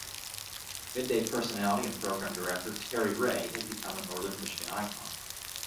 Mid-day personality and Program Director Terri Ray has become a Northern Michigan icon.